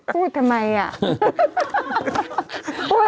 พูดทำไมอ่ะ